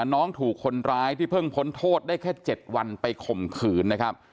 น้องถูกคนร้ายที่เพิ่งพ้นโทษได้แค่๗วันไปข่มขืนนะครับ